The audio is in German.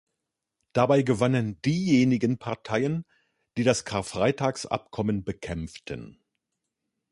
Dabei gewannen diejenigen Parteien, die das Karfreitagsabkommen bekämpften.